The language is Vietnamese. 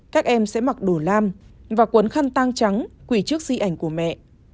các em sẽ mặc đồ lam và cuốn khăn tang trắng quỷ trước di ảnh của mẹ